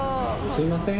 すいません。